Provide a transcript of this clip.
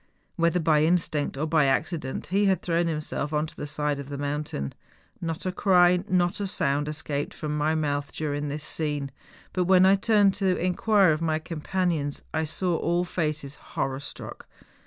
Whether by in¬ stinct or by accident he had thrown himself on to the side of the mountain. Not a cry, not a sound es¬ caped from my mouth during this scene. But when I turned to inquire of my companions I saw all faces horror struck.